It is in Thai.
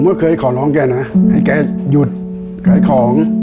เคยขอร้องแกนะให้แกหยุดขายของ